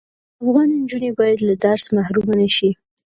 افغان انجوني بايد له درس محرومه نشی